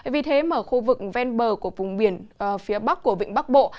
vì thế mà khu vực ven bờ của vùng biển phía bắc của vịnh bắc bộ